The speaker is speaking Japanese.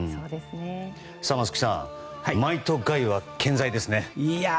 松木さん、マイトガイは健在ですね。